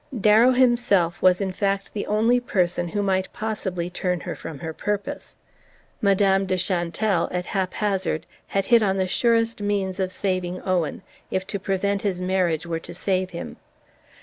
Darrow himself was in fact the only person who might possibly turn her from her purpose: Madame de Chantelle, at haphazard, had hit on the surest means of saving Owen if to prevent his marriage were to save him!